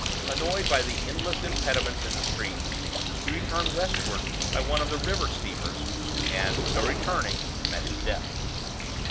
Annoyed by the endless impediments in the streets, he returned westward by one of the river steamers, and, so returning, met his death.